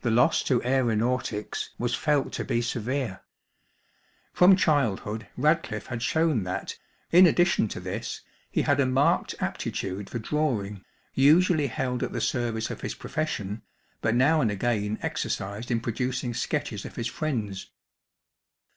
The loss to aeronautics was felt to be severe. From childhood Radcliffe had shown that, in addition to this, he had a marked aptitude for drawing, usually held at the service of his profession, but now and again exercised in producing sketches of his friends.